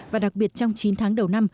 và đặc biệt trong chín tháng đầu năm